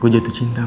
aku jatuh cinta ma